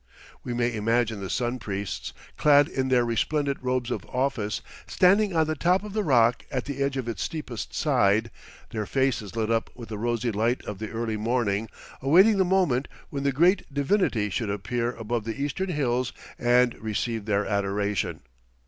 We may imagine the sun priests, clad in their resplendent robes of office, standing on the top of the rock at the edge of its steepest side, their faces lit up with the rosy light of the early morning, awaiting the moment when the Great Divinity should appear above the eastern hills and receive their adoration.